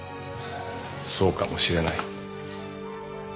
そうかもしれない。